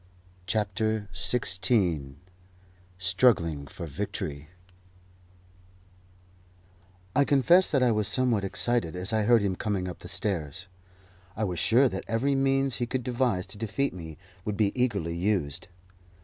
CHAPTER XVI STRUGGLING FOR VICTORY I confess that I was somewhat excited as I heard him coming up the stairs. I was sure that every means he could devise to defeat me would be eagerly used.